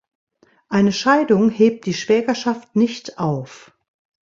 Eine Scheidung hebt die Schwägerschaft nicht auf.